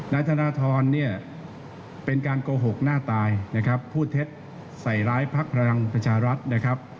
นายธนทรเนี่ยเป็นการโกหกหน้าตายนะครับพูดเท็จใส่ร้ายพักพลังประชารัฐนะครับ